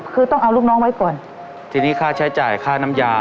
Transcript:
คือต้องเอาลูกน้องไว้ก่อนทีนี้ค่าใช้จ่ายค่าน้ำยา